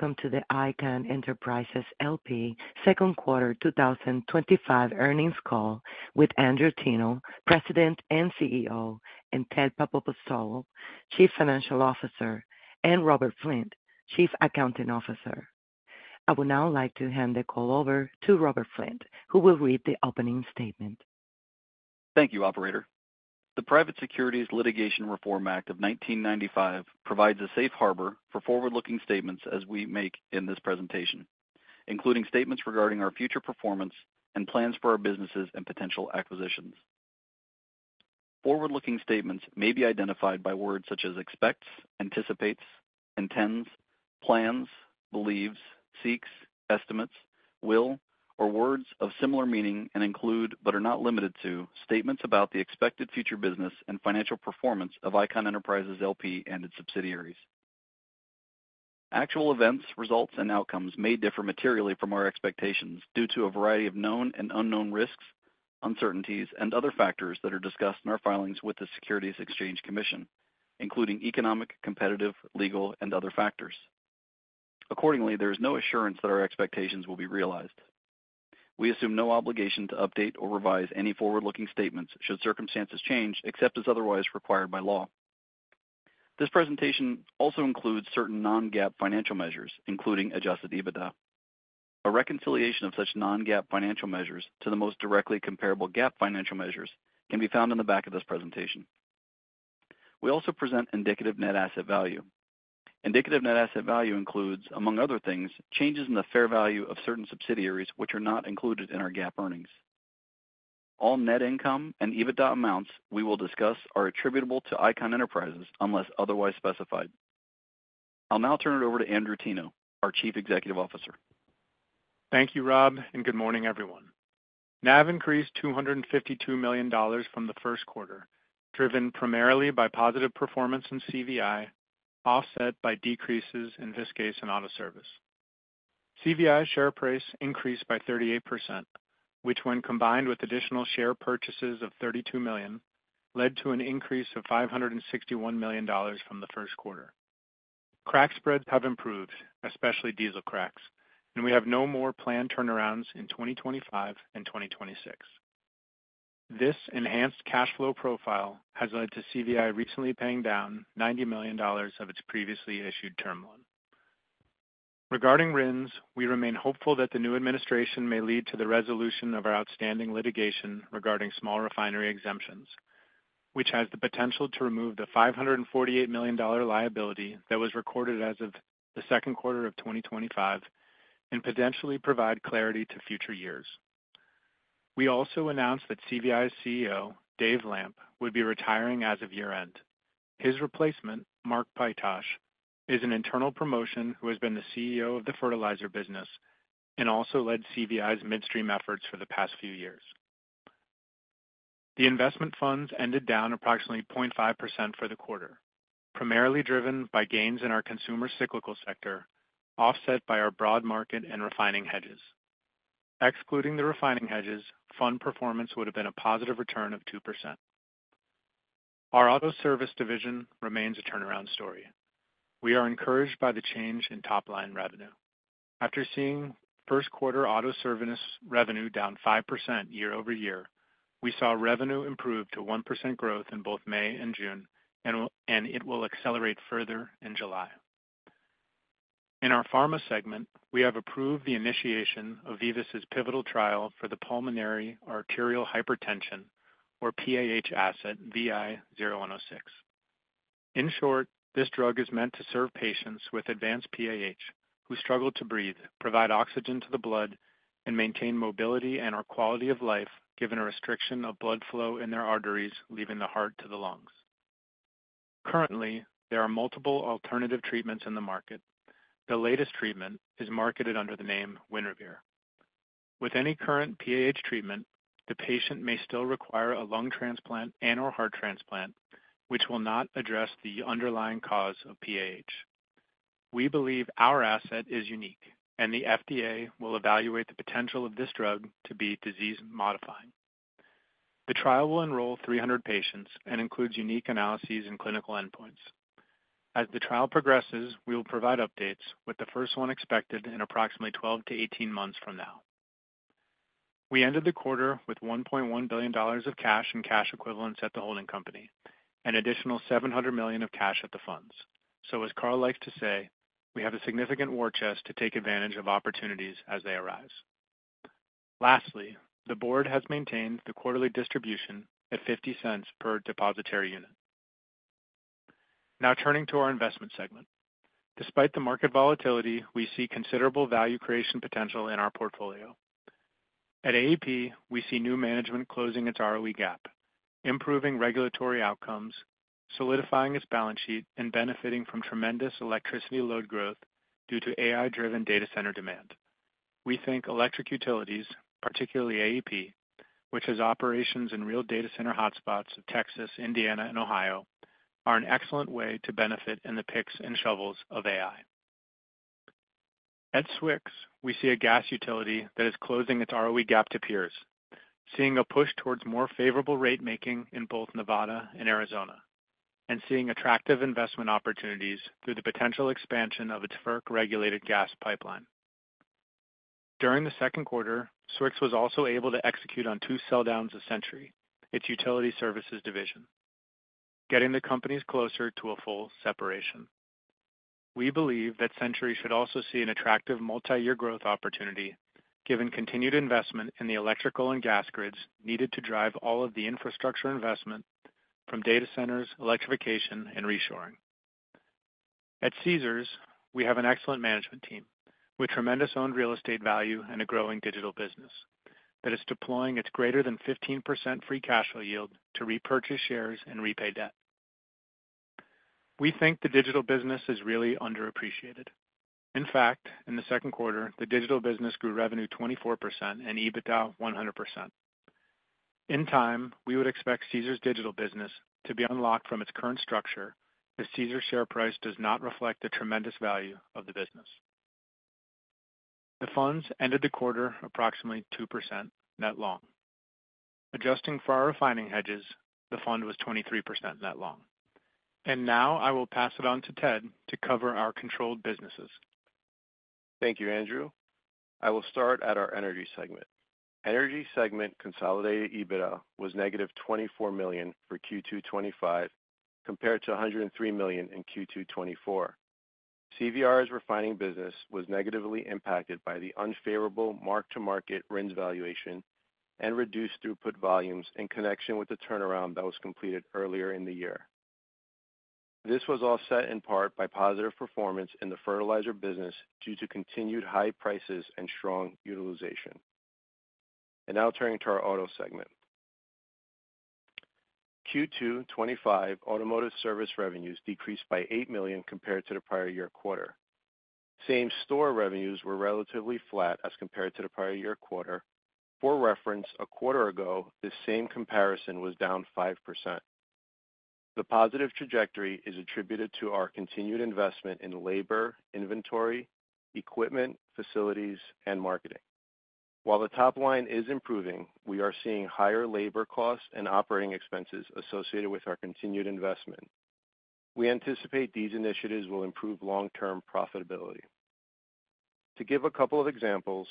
Morning and welcome to the Icahn Enterprises L.P. second quarter 2025 Earnings Call with Andrew Teno, President and CEO, Ted Papapostolou, Chief Financial Officer, and Robert Flint, Chief Accounting Officer. I would now like to hand the call over to Robert Flint, who will read the opening statement. Thank you, Operator. The Private Securities Litigation Reform Act of 1995 provides a safe harbor for forward-looking statements as we make in this presentation, including statements regarding our future performance and plans for our businesses and potential acquisitions. Forward-looking statements may be identified by words such as expects, anticipates, intends, plans, believes, seeks, estimates, will, or words of similar meaning and include, but are not limited to, statements about the expected future business and financial performance of Icahn Enterprises L.P. and its subsidiaries. Actual events, results, and outcomes may differ materially from our expectations due to a variety of known and unknown risks, uncertainties, and other factors that are discussed in our filings with the U.S. Securities and Exchange Commission, including economic, competitive, legal, and other factors. Accordingly, there is no assurance that our expectations will be realized. We assume no obligation to update or revise any forward-looking statements should circumstances change except as otherwise required by law. This presentation also includes certain non-GAAP financial measures, including adjusted EBITDA. A reconciliation of such non-GAAP financial measures to the most directly comparable GAAP financial measures can be found in the back of this presentation. We also present indicative net asset value. Indicative net asset value includes, among other things, changes in the fair value of certain subsidiaries which are not included in our GAAP earnings. All net income and EBITDA amounts we will discuss are attributable to Icahn Enterprises unless otherwise specified. I'll now turn it over to Andrew Teno, our Chief Executive Officer. Thank you, Rob, and good morning, everyone. NAV increased $252 million from the first quarter, driven primarily by positive performance in CVI, offset by decreases in Fiscal Audit Service. CVI share price increased by 38%, which, when combined with additional share purchases of $32 million, led to an increase of $561 million from the first quarter. Crack spreads have improved, especially diesel cracks, and we have no more planned turnarounds in 2025 and 2026. This enhanced cash flow profile has led to CVI recently paying down $90 million of its previously issued term loan. Regarding RINs, we remain hopeful that the new administration may lead to the resolution of our outstanding litigation regarding small refinery exemptions, which has the potential to remove the $548 million liability that was recorded as of the second quarter of 2025 and potentially provide clarity to future years. We also announced that CVI's CEO, Dave Lamp, would be retiring as of year-end. His replacement, Mark Pytosh, is an internal promotion who has been the CEO of the fertilizer business and also led CVI's midstream efforts for the past few years. The investment funds ended down approximately 0.5% for the quarter, primarily driven by gains in our consumer cyclical sector, offset by our broad market and refining hedges. Excluding the refining hedges, fund performance would have been a positive return of 2%. Our auto service division remains a turnaround story. We are encouraged by the change in top-line revenue. After seeing first quarter auto service revenue down 5% year-over-year, we saw revenue improve to 1% growth in both May and June, and it will accelerate further in July. In our pharma segment, we have approved the initiation of VIVUS's pivotal trial for the pulmonary arterial hypertension, or PAH, asset VI-0106. In short, this drug is meant to serve patients with advanced PAH who struggle to breathe, provide oxygen to the blood, and maintain mobility and/or quality of life given a restriction of blood flow in their arteries, leaving the heart to the lungs. Currently, there are multiple alternative treatments in the market. The latest treatment is marketed under the name Winrevair. With any current PAH treatment, the patient may still require a lung transplant and/or heart transplant, which will not address the underlying cause of PAH. We believe our asset is unique, and the FDA will evaluate the potential of this drug to be disease-modifying. The trial will enroll 300 patients and includes unique analyses and clinical endpoints. As the trial progresses, we will provide updates, with the first one expected in approximately 12 months-18 months from now. We ended the quarter with $1.1 billion of cash and cash equivalents at the holding company and an additional $700 million of cash at the funds. As Carl likes to say, we have a significant war chest to take advantage of opportunities as they arise. Lastly, the Board has maintained the quarterly distribution at $0.50 per depositary unit. Now turning to our investment segment. Despite the market volatility, we see considerable value creation potential in our portfolio. At AEP, we see new management closing its ROE gap, improving regulatory outcomes, solidifying its balance sheet, and benefiting from tremendous electricity load growth due to AI-driven data center demand. We think electric utilities, particularly AEP, which has operations in real data center hotspots of Texas, Indiana, and Ohio, are an excellent way to benefit in the picks and shovels of AI. At SWX, we see a gas utility that is closing its ROE gap to peers, seeing a push towards more favorable rate-making in both Nevada and Arizona, and seeing attractive investment opportunities through the potential expansion of its FERC-regulated gas pipeline. During the second quarter, SWX was also able to execute on two sell-downs of Century, its utility services division, getting the companies closer to a full separation. We believe that Century should also see an attractive multi-year growth opportunity, given continued investment in the electrical and gas grids needed to drive all of the infrastructure investment from data centers, electrification, and reshoring. At Caesars, we have an excellent management team with tremendous owned real estate value and a growing digital business that is deploying its greater than 15% free cash flow yield to repurchase shares and repay debt. We think the digital business is really underappreciated. In fact, in the second quarter, the digital business grew revenue 24% and EBITDA 100%. In time, we would expect Caesars' digital business to be unlocked from its current structure if Caesars' share price does not reflect the tremendous value of the business. The funds ended the quarter approximately 2% net long. Adjusting for our refining hedges, the fund was 23% net long. Now I will pass it on to Ted to cover our controlled businesses. Thank you, Andrew. I will start at our energy segment. Energy segment consolidated EBITDA was -$24 million for Q2 2025, compared to $103 million in Q2 2024. CVR Energy's refining business was negatively impacted by the unfavorable mark-to-market RINs valuation and reduced throughput volumes in connection with the turnaround that was completed earlier in the year. This was offset in part by positive performance in the fertilizer business due to continued high prices and strong utilization. Now turning to our auto segment. Q2 2025 automotive service revenues decreased by $8 million compared to the prior year quarter. Same-store revenues were relatively flat as compared to the prior year quarter. For reference, a quarter ago, this same comparison was down 5%. The positive trajectory is attributed to our continued investment in labor, inventory, equipment, facilities, and marketing. While the top line is improving, we are seeing higher labor costs and operating expenses associated with our continued investment. We anticipate these initiatives will improve long-term profitability. To give a couple of examples,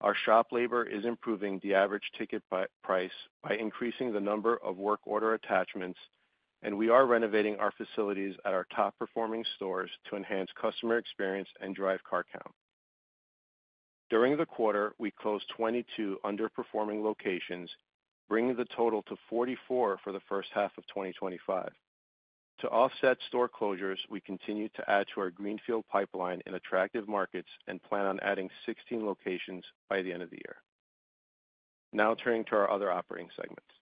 our shop labor is improving the average ticket price by increasing the number of work order attachments, and we are renovating our facilities at our top-performing stores to enhance customer experience and drive car count. During the quarter, we closed 22 underperforming locations, bringing the total to 44 for the first half of 2025. To offset store closures, we continue to add to our Greenfield pipeline in attractive markets and plan on adding 16 locations by the end of the year. Now turning to our other operating segments.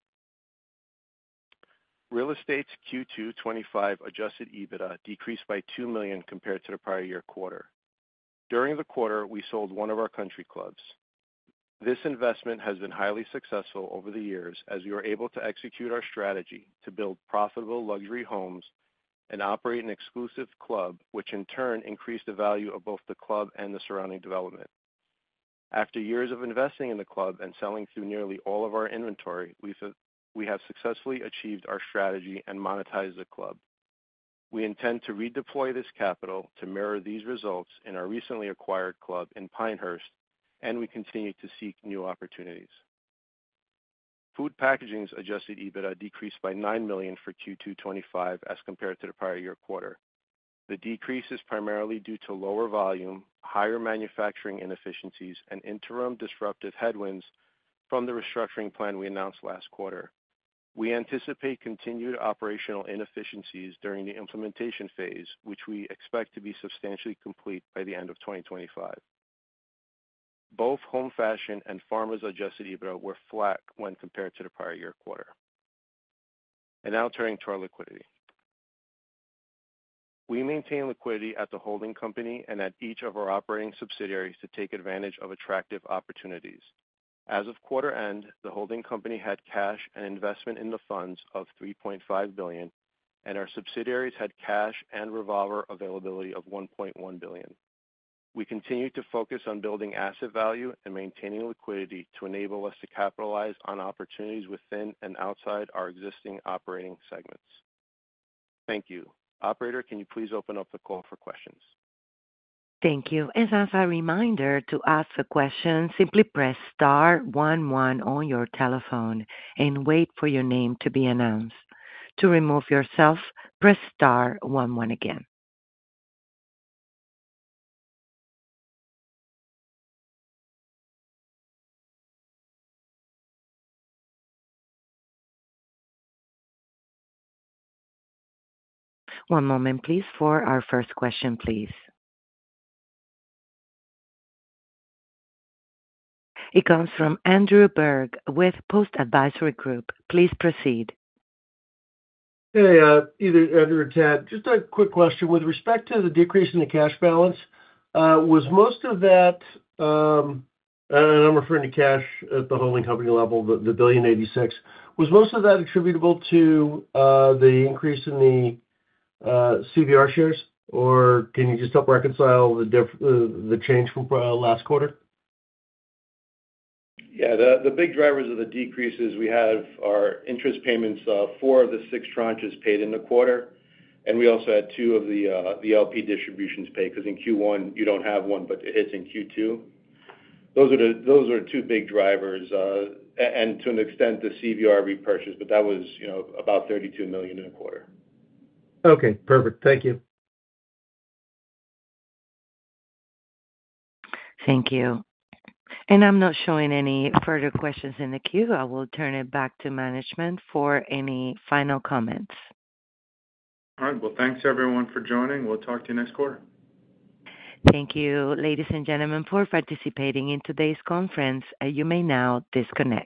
Real estate's Q2 2025 adjusted EBITDA decreased by $2 million compared to the prior year quarter. During the quarter, we sold one of our country clubs. This investment has been highly successful over the years as we were able to execute our strategy to build profitable luxury homes and operate an exclusive club, which in turn increased the value of both the club and the surrounding development. After years of investing in the club and selling through nearly all of our inventory, we have successfully achieved our strategy and monetized the club. We intend to redeploy this capital to mirror these results in our recently acquired club in Pinehurst, and we continue to seek new opportunities. Food packaging's adjusted EBITDA decreased by $9 million for Q2 2025 as compared to the prior year quarter. The decrease is primarily due to lower volume, higher manufacturing inefficiencies, and interim disruptive headwinds from the restructuring plan we announced last quarter. We anticipate continued operational inefficiencies during the implementation phase, which we expect to be substantially complete by the end of 2025. Both home fashion and farmers' adjusted EBITDA were flat when compared to the prior year quarter. Now turning to our liquidity, we maintain liquidity at the holding company and at each of our operating subsidiaries to take advantage of attractive opportunities. As of quarter end, the holding company had cash and investment in the funds of $3.5 million, and our subsidiaries had cash and revolver availability of $1.1 billion. We continue to focus on building asset value and maintaining liquidity to enable us to capitalize on opportunities within and outside our existing operating segments. Thank you. Operator, can you please open up the call for questions? Thank you. As a reminder, to ask a question, simply press star one one on your telephone and wait for your name to be announced. To remove yourself, press star one one again. One moment, please, for our first question. It comes from Andrew Berg with Post Advisory Group. Please proceed. Hey, either Andrew or Ted, just a quick question. With respect to the decrease in the cash balance, was most of that, and I'm referring to cash at the holding company level, the $1.086 billion, was most of that attributable to the increase in the CVR shares, or can you just help reconcile the change from last quarter? Yeah, the big drivers of the decreases we have are interest payments for the six tranches paid in the quarter, and we also had two of the LP distributions paid because in Q1 you don't have one, but it hits in Q2. Those are the two big drivers, and to an extent, the CVR repurchase, but that was, you know, about $32 million in a quarter. Okay, perfect. Thank you. Thank you. I'm not showing any further questions in the queue. I will turn it back to management for any final comments. All right, thanks everyone for joining. We'll talk to you next quarter. Thank you, ladies and gentlemen, for participating in today's conference. You may now disconnect.